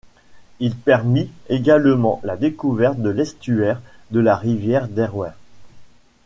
Il permit également la découverte de l'estuaire de la rivière Derwent.